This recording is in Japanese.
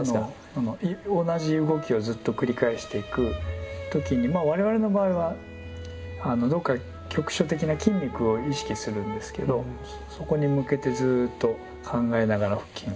同じ動きをずっと繰り返していく時に我々の場合はどこか局所的な筋肉を意識するんですけどそこに向けてずっと考えながら続けていくとか。